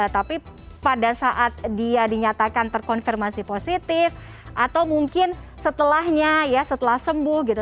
tapi pada saat dia dinyatakan terkonfirmasi positif atau mungkin setelahnya ya setelah sembuh gitu